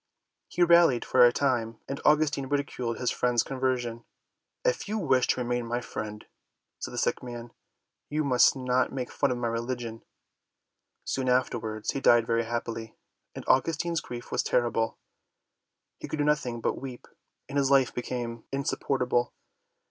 He rallied for a time and Augustine ridiculed his friend's conversion.' "If you wish to remain my friend," said the sick man, "you must not make fun of my religion." Soon afterwards he died very happily, and Augustine's grief was terrible. He could do nothing but weep and his life became insupportable.